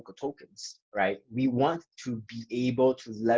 kita juga ingin mendapatkan kekuatan dari toko token